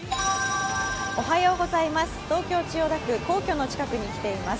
東京・千代田区、皇居の近くに来ています。